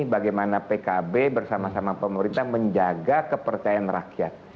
bagaimana pkb bersama sama pemerintah menjaga kepercayaan rakyat